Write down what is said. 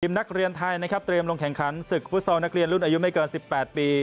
นักเรียนไทยนะครับเตรียมลงแข่งขันศึกฟุตซอลนักเรียนรุ่นอายุไม่เกิน๑๘ปี